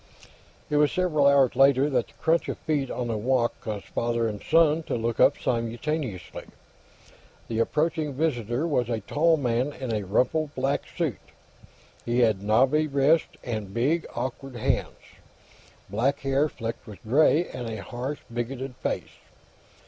It was several hours later that the crunch of feet on the walk caused father and son to look up simultaneously. The approaching visitor was a tall man in a rumpled black suit; he had knobby wrists and big, awkward hands; black hair flecked with gray, and a harsh, bigoted face.